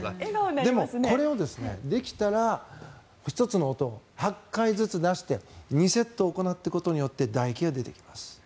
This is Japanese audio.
でもこれをできたら１つの音８回ずつ出して２セット行っていくことによってだ液が出てきます。